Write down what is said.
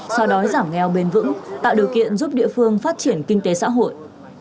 sau đó giảm nghèo bền vững tạo điều kiện giúp địa phương phát triển kinh tế xã hội